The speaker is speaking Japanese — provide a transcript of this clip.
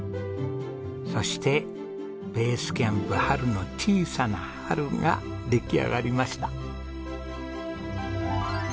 そしてベースキャンプはるの小さな春が出来上がりました。